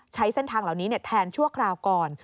ใช้เส้นทางเหล่านี้แทนชั่วคราวก่อน